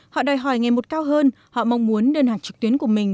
họ đòi hỏi ngày một cao hơn họ mong muốn đơn hàng trực tuyến của mình